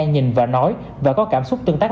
nhìn và nói và có cảm xúc tương tác